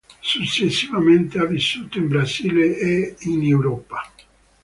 Successivamente ha vissuto in Brasile e in Europa.